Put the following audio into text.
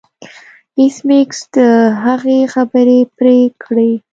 ایس میکس د هغې خبرې پرې کړې